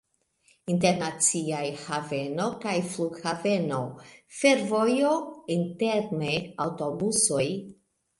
Internaciaj haveno kaj flughaveno, fervojo, interne aŭtobusoj.